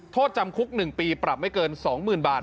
โทษจำคุก๑ปีปรับไม่เกิน๒๐๐๐บาท